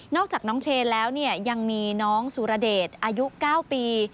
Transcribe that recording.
อกจากน้องเชนแล้วเนี่ยยังมีน้องสุรเดชอายุ๙ปี